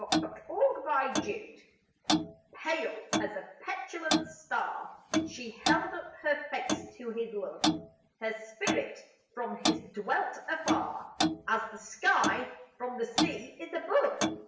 VI Silver and Rose Pale as a petulant star, She held up her face to his love; Her spirit from his dwelt afar As the sky from the sea is above.